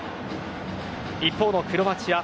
一方、クロアチア。